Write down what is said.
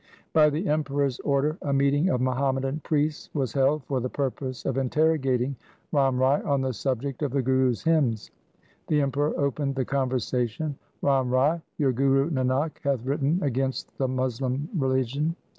By the Emperor's order a meeting of Muhammadan priests was held for the purpose of interrogating Ram Rai on the subject of the Gurus' hymns. The Emperor opened the conversation, ' Ram Rai, your Guru Nanak hath written against the Moslem religion.